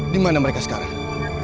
dimana mereka sekarang